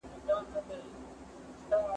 زه بايد کتابونه وليکم